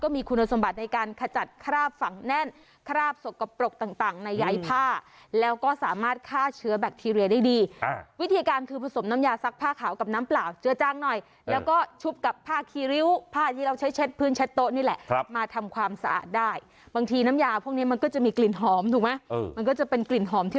มีคุณสมบัติในการขจัดคราบฝังแน่นคราบสกปรกต่างในใยผ้าแล้วก็สามารถฆ่าเชื้อแบคทีเรียได้ดีวิธีการคือผสมน้ำยาซักผ้าขาวกับน้ำเปล่าเจื้อจังหน่อยแล้วก็ชุบกับผ้าคีริ้วผ้าที่เราใช้เช็ดพื้นเช็ดโต๊ะนี่แหละมาทำความสะอาดได้บางทีน้ำยาพวกนี้มันก็จะมีกลิ่นหอมถูกไหมมันก็จะเป็นกลิ่นหอมที่